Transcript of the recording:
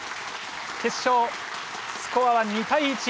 決勝スコアは２対１。